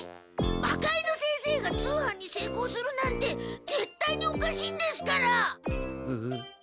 魔界之先生が通販にせいこうするなんてぜったいにおかしいんですから！